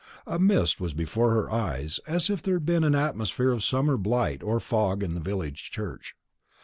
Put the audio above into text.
A mist was before her eyes, as if there had been an atmosphere of summer blight or fog in the village church.